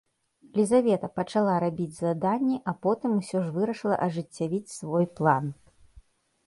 Лізавета пачала рабіць заданні, а потым усё ж вырашыла ажыццявіць свой план.